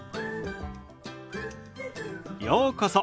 ようこそ。